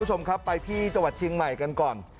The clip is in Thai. คุณผู้ชมครับไปที่จังหวัดเชียงใหม่กันก่อน